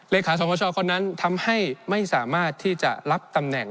ขาสมชคนนั้นทำให้ไม่สามารถที่จะรับตำแหน่ง